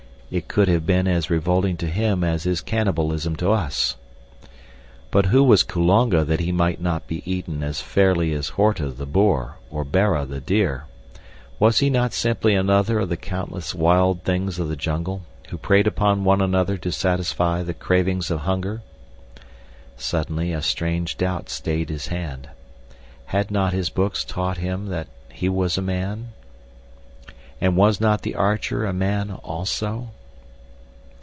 It would have been as revolting to him as is cannibalism to us. But who was Kulonga that he might not be eaten as fairly as Horta, the boar, or Bara, the deer? Was he not simply another of the countless wild things of the jungle who preyed upon one another to satisfy the cravings of hunger? Suddenly, a strange doubt stayed his hand. Had not his books taught him that he was a man? And was not The Archer a man, also?